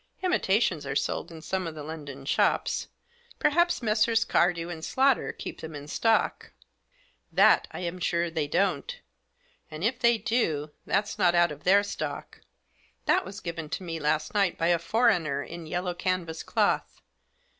Imitations are sold in some of the London shops. Perhaps Messrs. Cardew & Slaughter keep them in stock." "That I am sure they don't. And, if they do, that's not out of their stock. That was given to me last night by a foreigner in yellow canvas cloth.